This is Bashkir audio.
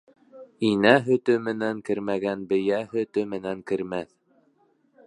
Инә һөтө менән кермәгән бейә һөтө менән кермәҫ.